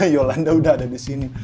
yolanda udah ada disini